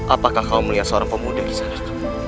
apakah kau melihat seorang pemuda kisanak